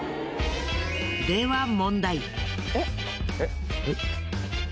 では問題。